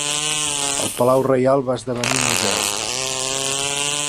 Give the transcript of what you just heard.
El palau reial va esdevenir museu.